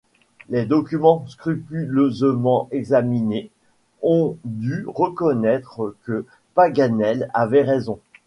Les documents scrupuleusement examinés, on dut reconnaître que Paganel avait raison.